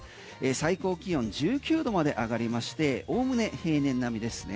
最高気温１９度まで上がりましておおむね平年並みですね。